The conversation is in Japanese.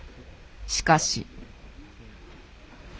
しかし。